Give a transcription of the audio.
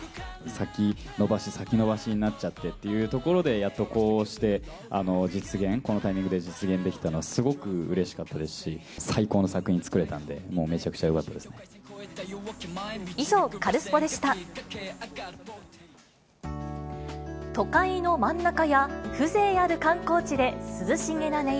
先延ばし、先延ばしになっちゃってっていうところで、やっとこうして実現、このタイミングで実現できたのは、すごくうれしかったですし、最高の作品を作れたんで、もうめちゃくちゃよかったですね。